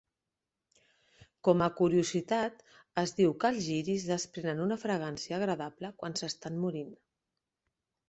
Com a curiositat, es diu que els lliris desprenen una fragància agradable quan s'estan morint.